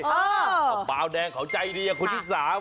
กระเป๋าแดงเข้าใจดีอะคุณที่สาม